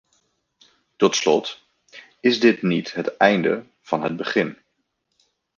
Tot slot is dit niet het einde van het begin.